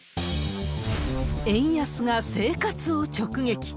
円安が生活を直撃。